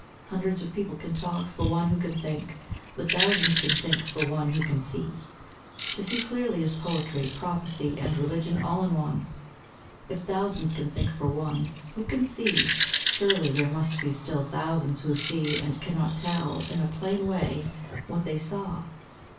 Hundreds of people can talk for one who can think, but thousands can think for one who can see. To see clearly is poetry, prophecy, and religion all in one." If thousands can think for one who can see, surely there must be still thousands who see and cannot tell "in a plain way" what they saw.